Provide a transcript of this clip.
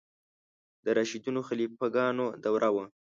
د راشدینو خلیفه ګانو دوره وه.